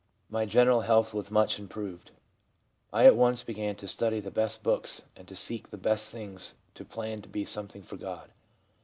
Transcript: My general health was much improved. I at once began to study the best books and to seek the best things, to plan to be something for God.